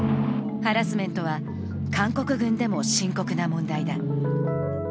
ハラスメントは韓国軍でも深刻な問題だ。